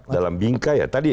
dalam bingkai ya